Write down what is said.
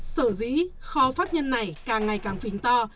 sở dĩ kho pháp nhân này càng ngày càng phình to